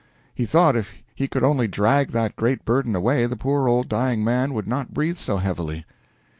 He thought if he could only drag that great burden away the poor old dying man would not breathe so heavily.